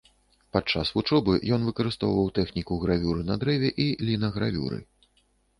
Падчас вучобы ён выкарыстоўваў тэхніку гравюры на дрэве і лінагравюры.